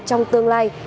trong tương lai